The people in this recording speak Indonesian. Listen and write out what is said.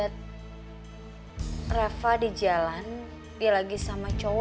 tapi aku takut mas marah